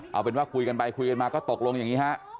เอาเป็นว่าคุยกันไปคุยกันมาก็ตกลงอย่างนี้ฮะ